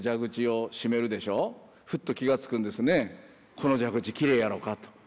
「この蛇口きれいやろか？」と。